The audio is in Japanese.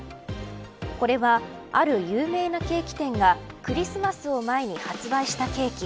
これは、ある有名なケーキ店がクリスマスを前に発売したケーキ。